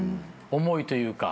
思いというか。